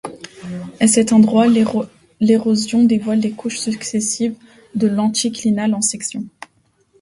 À cet endroit, l'érosion dévoile les couches successives de l'anticlinal en section.